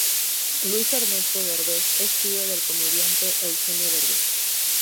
Luis Ernesto Derbez es tío del comediante Eugenio Derbez.